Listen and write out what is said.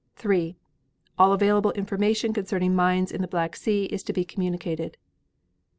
3. All available information concerning mines in the Black Sea is to be communicated. 4.